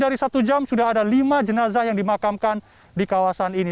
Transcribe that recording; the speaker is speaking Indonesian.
dan kita masih belum tahu ada berapa jenazah yang dimakamkan di kawasan ini